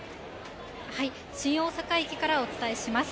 新大阪駅からお伝えします。